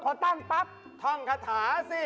พอตั้งปั๊บท่องคาถาสิ